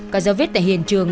cả dấu vết tại hiện trường